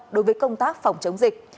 đối với công tác phòng chống dịch